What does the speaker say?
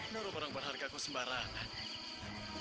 naro barang berharga ku sembarangan